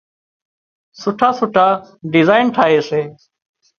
سُٺا سُٺا ڊزائين ٺاهي سي